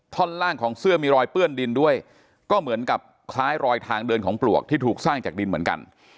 ล่างของเสื้อมีรอยเปื้อนดินด้วยก็เหมือนกับคล้ายรอยทางเดินของปลวกที่ถูกสร้างจากดินเหมือนกัน